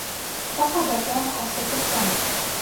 فقد توم حاسة الشم.